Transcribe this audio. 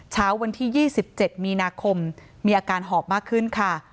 เช้าวันที่๒๗มีนาคมมีอาการหอบมากขึ้นค่ะ